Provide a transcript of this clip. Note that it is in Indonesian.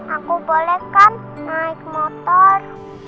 aku boleh kan naik motor